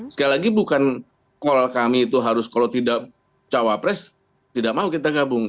sekali lagi bukan call kami itu harus kalau tidak cawapres tidak mau kita gabung